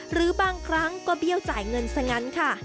หรือบางครั้งก็เบี้ยวจ่ายเงินซะงั้นค่ะ